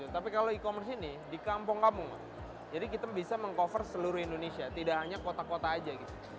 tapi kalau e commerce ini di kampung kampung jadi kita bisa meng cover seluruh indonesia tidak hanya kota kota aja gitu